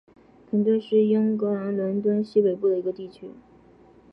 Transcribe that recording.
肯顿是英格兰伦敦西北部的一个地区。